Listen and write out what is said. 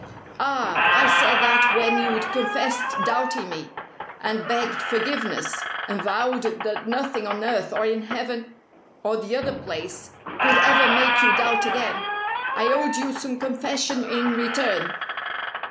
"Ah, I said that when you'd confessed doubting me, and begged forgiveness, and vowed that nothing on earth or in heaven or the other place could ever make you doubt again. I owed you some confession in return."